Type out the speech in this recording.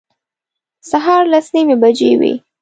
سهار لس نیمې بجې وې.